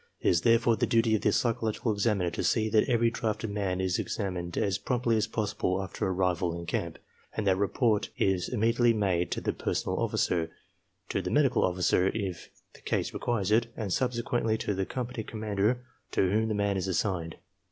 It is therefore the duty of the psychological examiner to see that every drafted man is exam ined as promptly as possible after arrival in camp, and that report is inamediately made to the personnel officer, to the medical officer if the case requires it, and subsequently to the company commander to whom the man is assigned.